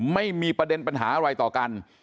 ไม่มีประเด็นปัญหาอะไรต่อกัน